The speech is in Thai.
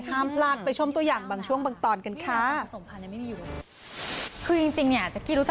ห้ามพลาดไปชมตัวอย่างบางช่วงบางตอนกันค่ะ